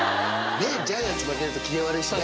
ジャイアンツ負けると機嫌悪いしね。